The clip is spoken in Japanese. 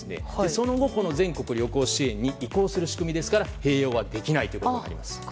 その後、全国旅行支援に移行する仕組みですから併用はできないということになります。